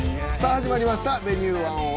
始まりました「Ｖｅｎｕｅ１０１」。